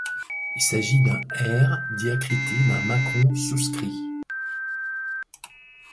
Il s'agit de la lettre R diacritée d'un macron souscrit.